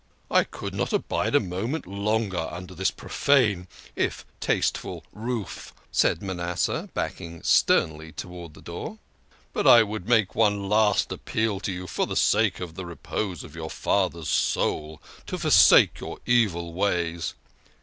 "" I could not abide a moment longer under this profane, if tasteful, roof," said Manasseh, backing sternly towards the door. " But I would make one last appeal to you, for the sake of the repose of your father's soul, to forsake your evil ways."